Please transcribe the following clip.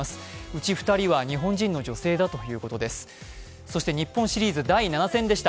うち２人は日本人の女性だということです。